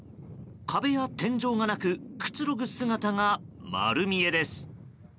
壁や天井がなくくつろぐ姿が丸見えです。